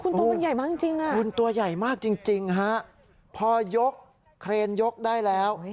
คุณตัวมันใหญ่มากจริงอ่ะคุณตัวใหญ่มากจริงฮะพอยกเครนยกได้แล้ว